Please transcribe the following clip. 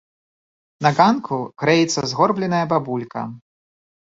На ганку грэецца згорбленая бабулька.